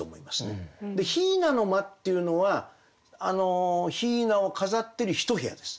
雛の間っていうのは雛を飾ってる一部屋です。